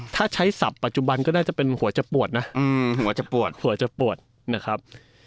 ถ้าใช้ศัพท์ปัจจุบันก็น่าจะเป็นหัวจะปวดนะหัวจะปวดหัวจะปวดนะครับ